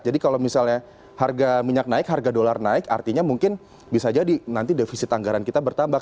jadi kalau misalnya harga minyak naik harga dolar naik artinya mungkin bisa jadi nanti defisit anggaran kita bertambah